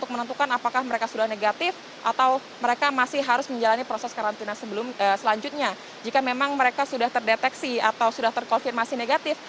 maka mereka sudah terdeteksi atau sudah terkonfirmasi negatif